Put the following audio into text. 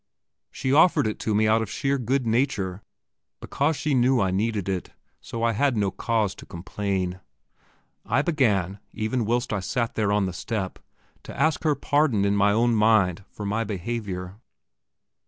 She offered it to me out of sheer good nature, because she knew I needed it, so I had no cause to complain. I began, even whilst I sat there on the step, to ask her pardon in my own mind for my behaviour.